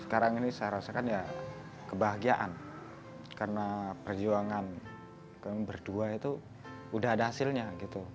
sekarang ini saya rasakan ya kebahagiaan karena perjuangan kami berdua itu udah ada hasilnya gitu